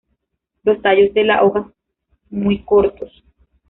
Los tallos de las hojas muy cortos.